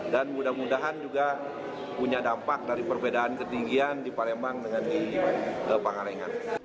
dan mudah mudahan juga punya dampak dari perbedaan ketinggian di palembang dengan di pengalengan